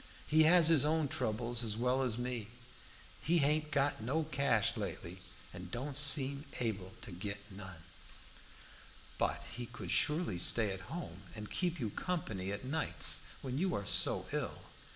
He has his own troubles as well as me. He hain't had no cash lately, and don't seem to be able to git none." "But he could surely stay at home and keep you company at nights, when you are so ill.